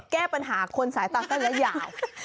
แก้ปัญหาคนสายตาสั้นและยาว